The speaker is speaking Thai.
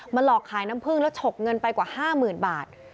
หลอกขายน้ำพึ่งแล้วฉกเงินไปกว่า๕๐๐๐บาท